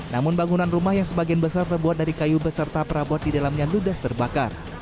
namun bangunan rumah yang sebagian besar terbuat dari kayu beserta perabot di dalamnya ludas terbakar